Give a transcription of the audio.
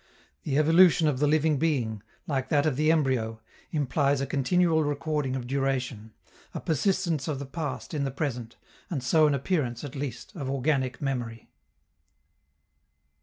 The evolution of the living being, like that of the embryo, implies a continual recording of duration, a persistence of the past in the present, and so an appearance, at least, of organic memory.